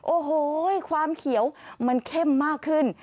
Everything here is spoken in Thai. โอ้โหความเขียวมันเข้มมากขึ้น